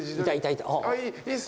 いいっす。